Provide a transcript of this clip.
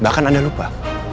bahkan anda lupa